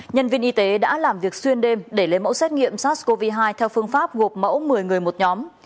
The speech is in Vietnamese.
nhân viên y tế đã làm việc xuyên đêm để lấy mẫu xét nghiệm sars cov hai theo phương pháp gộp mẫu một mươi người một nhóm